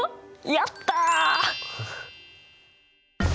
やった！